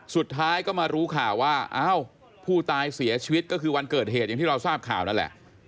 สุดท้ายก็มารู้ข่าวว่าอ้าวผู้ตายเสียชีวิตก็คือวันเกิดเหตุอย่างที่เราทราบข่าวนั่นแหละ